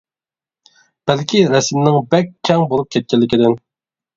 بەلكى رەسىمنىڭ بەك كەڭ بولۇپ كەتكەنلىكىدىن.